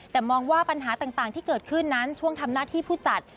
แต่มองว่าปัญหาต่างที่เกิดขึ้นนั้นช่วงทำหน้าที่ผู้จัด